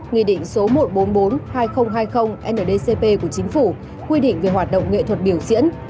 nghị định số một trăm bốn mươi bốn hai nghìn hai mươi ndcp của chính phủ quy định về hoạt động nghệ thuật biểu diễn